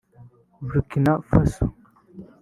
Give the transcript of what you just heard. Burkina Faso